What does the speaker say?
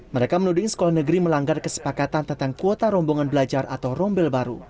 mereka menuding sekolah negeri melanggar kesepakatan tentang kuota rombongan belajar atau rombel baru